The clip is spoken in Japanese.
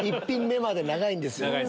１品目まで長いんですよ。